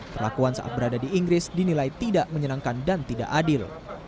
perlakuan saat berada di inggris dinilai tidak menyenangkan dan tidak adil